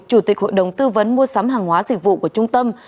chủ tịch hội đồng tư vấn mua sắm hàng hóa dịch vụ của trung tâm